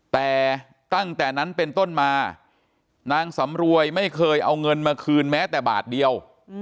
แต่ตั้งแต่นั้นเป็นต้นมานางสำรวยไม่เคยเอาเงินมาคืนแม้แต่บาทเดียว